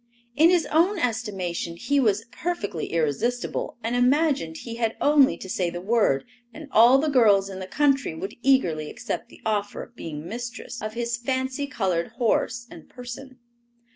In his own estimation he was perfectly irresistible, and imagined he had only to say the word and all the girls in the country would eagerly accept the offer of being mistress of his fancy colored horse and person.